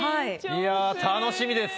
いや楽しみです。